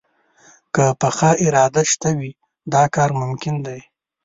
که پخه اراده شته وي، دا کار ممکن دی